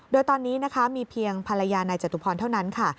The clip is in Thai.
โดยตอนนี้นะคะมีเพียงภรรยานายจตุพรเท่านั้นค่ะ